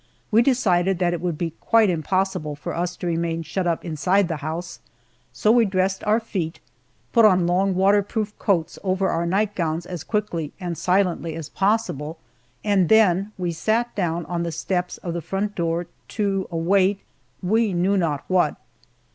We decided that it would be quite impossible for us to remain shut up inside the house, so we dressed our feet, put on long waterproof coats over our nightgowns as quickly and silently as possible, and then we sat down on the steps of the front door to await we knew not what.